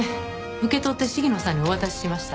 受け取って鴫野さんにお渡ししました。